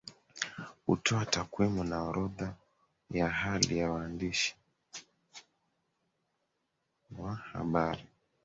hutoa takwimu na orodha ya hali ya waandishi wa habari